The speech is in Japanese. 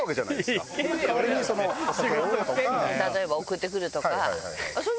例えば送ってくるとか。